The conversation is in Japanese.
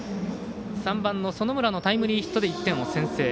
３番の園村のタイムリーヒットで１点を先制。